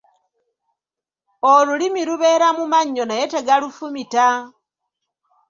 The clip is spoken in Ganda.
Olulimi lubeera mu mannyo naye tegalufumita.